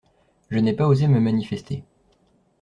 Je n’ai pas osé me manifester.